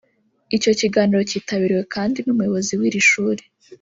Icyo kiganiro kitabiriwe kandi n’Umuyobozi w’iri shuri